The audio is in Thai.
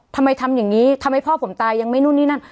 ทำอย่างนี้ทำให้พ่อผมตายยังไม่นู่นนี่นั่น